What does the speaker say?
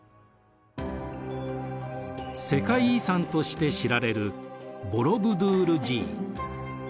世界遺産として知られるボロブドゥール寺院。